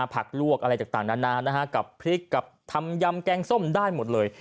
ผักลวกอะไรต่างนานากับพริกกับทำยำแกงส้มได้หมดเลย